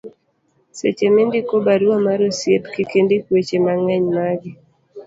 seche mindiko barua mar osiep kik indik weche mang'eny magi